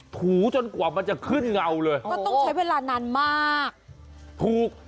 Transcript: ถูจนกว่ามันจะขึ้นเงาเลยก็ต้องใช้เวลานานมากถูก